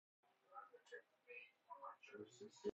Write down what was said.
مخاطره طلبی